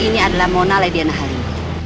ini adalah mona lady anna halim